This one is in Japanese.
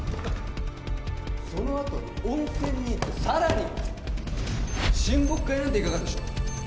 そのあとに温泉に行ってさらに親睦会なんていかがでしょう？